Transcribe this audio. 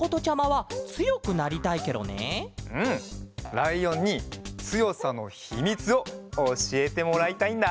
ライオンにつよさのひみつをおしえてもらいたいんだ。